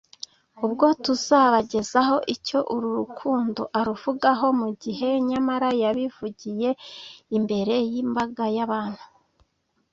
ubwo tuzabagezaho icyo uru rukundo aruvugaho mugihe nyamara yabivugiye imbere y’imbaga y’abantu